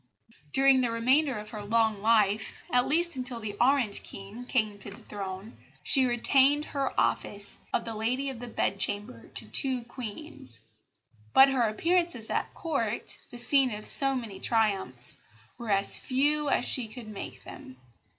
During the remainder of her long life, at least until the Orange King came to the Throne, she retained her office of Lady of the Bedchamber to two Queens; but her appearances at Court, the scene of so many triumphs, were as few as she could make them.